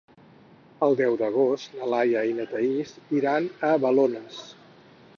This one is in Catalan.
El deu d'agost na Laia i na Thaís iran a Balones.